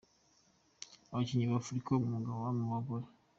Abakinyi ba Afrika b'umwaka mu bagore:.